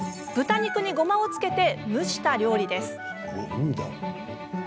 豚肉にごまをつけて蒸した料理です。